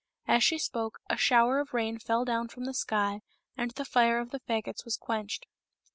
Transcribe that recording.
As she spoke a shower of rain fell down from the sky, and the fire of the fagots was quenched.